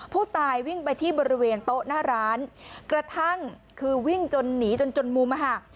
ผู้ตายวิ่งไปที่บริเวณโต๊ะหน้าร้านกระทั่งคือวิ่งจนหนีจนจนมุมอะค่ะ